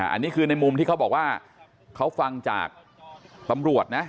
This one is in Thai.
อันนี้คือในมุมที่เขาบอกว่าเขาฟังจากตำรวจนะ